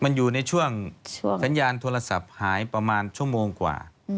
มันอยู่ในช่วงสัญญาณโทรศัพท์หายประมาณชั่วโมงกว่า